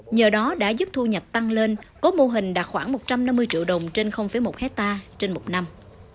nhờ đó đã giúp thu nhập tăng lên có mô hình đạt khoảng một trăm năm mươi triệu đồng trên một hectare trên một năm